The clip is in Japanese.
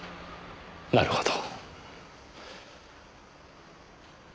なるほど。